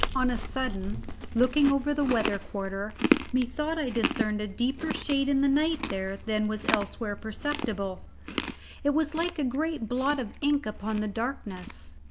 On a sudden, looking over the weather quarter, methought I discerned a deeper shade in the night there than was elsewhere perceptible. It was like a great blot of ink upon the darkness.